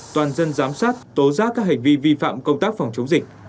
toàn dân giám sát tố giác các hành vi vi phạm công tác phòng chống dịch